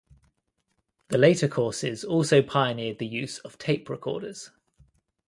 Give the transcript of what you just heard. The later courses also pioneered the use of tape-recorders.